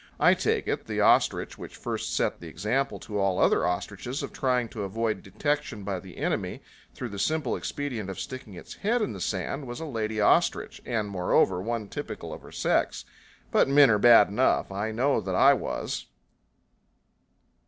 I take it, the ostrich which first set the example to all the other ostriches of trying to avoid detection by the enemy through the simple expedient of sticking its head in the sand was a lady ostrich, and moreover one typical of her sex. But men are bad enough. I know that I was.